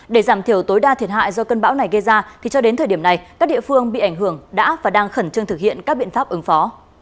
để giảm thiểu tối đa thiệt hại do cơn bão này gây ra thì cho đến thời điểm này các địa phương bị ảnh hưởng đã và đang khẩn trương thực hiện các biện pháp ứng phó